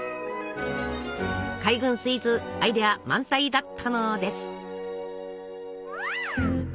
海軍スイーツアイデア満載だったのです。